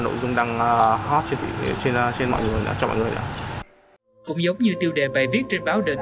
nội dung đang hot trên mọi người cho mọi người cũng giống như tiêu đề bài viết trên báo the